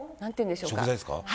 「食材ですか？」